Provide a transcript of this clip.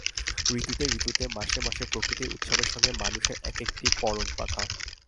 ঋতুতে ঋতুতে মাসে মাসে প্রকৃতির উৎসবের সঙ্গে মানুষের এক-একটি পরব বাঁধা।